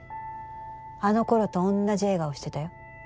あの頃と同じ笑顔してたよ。